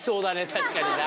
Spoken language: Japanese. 確かにな。